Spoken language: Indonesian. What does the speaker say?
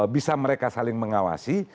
bisa mereka saling mengawasi